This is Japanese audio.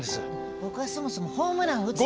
僕はそもそもホームラン打つでいい。